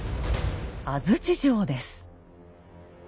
安土城です。